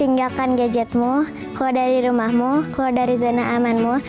tinggalkan gadgetmu keluar dari rumahmu keluar dari zona amanmu